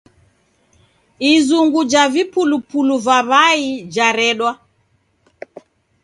Izungu ja vipulupulu va w'ai jaredwa.